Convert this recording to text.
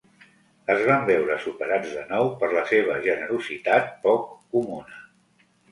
Es van veure superats de nou per la seva generositat poc comuna.